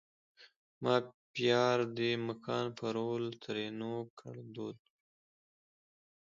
ما پیار دې مکان پرول؛ ترينو کړدود